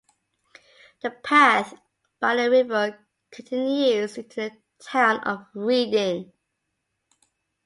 The path by the river continues into the town of Reading.